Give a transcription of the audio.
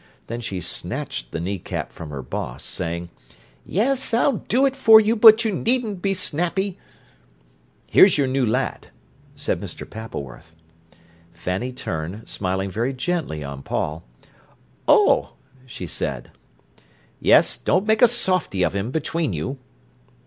Then she snatched the knee cap from her "boss", saying: "Yes, I'll do it for you, but you needn't be snappy." "Here's your new lad," said Mr. Pappleworth. Fanny turned, smiling very gently on Paul. "Oh!" she said. "Yes; don't make a softy of him between you."